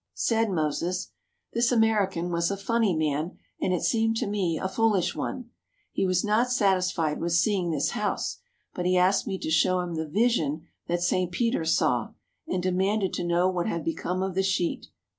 Said Moses: "This American was a funny man, and it seemed to me a foolish one. He was not satisfied with seeing this house, but he asked me to show him the vision that St. Peter saw, and demanded to know what had become of the sheet.